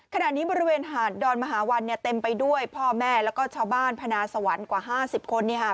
ขณะนี้บริเวณหาดดอนมหาวันเนี่ยเต็มไปด้วยพ่อแม่แล้วก็ชาวบ้านพนาสวรรค์กว่า๕๐คนเนี่ยค่ะ